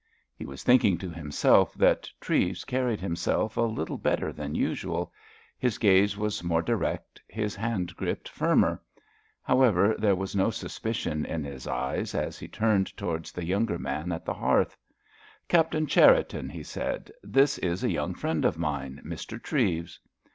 He was thinking to himself that Treves carried himself a little better than usual; his gaze was more direct, his handgrip firmer. However, there was no suspicion in his eyes as he turned towards the younger man at the hearth. "Captain Cherriton," he said, "this is a young friend of mine, Mr. Treves."